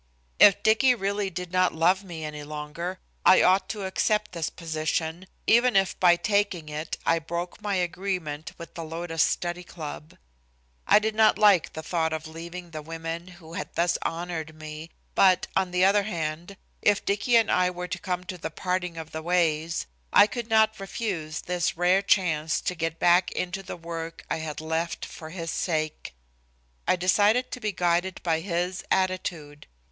If Dicky really did not love me any longer, I ought to accept this position, even if by taking it I broke my agreement with the Lotus Study Club. I did not like the thought of leaving the women who had thus honored me, but, on the other hand, if Dicky and I were to come to the parting of the ways, I could not refuse this rare chance to get back into the work I had left for his sake. I decided to be guided by his attitude.